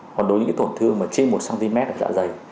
còn đối với những tổn thương mà trên một cm ở dạ dày